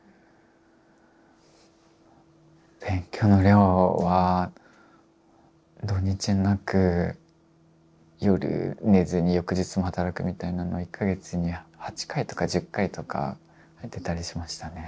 勉強の量は土日なく夜寝ずに翌日も働くみたいなのは１か月に８回とか１０回とかやってたりしましたね。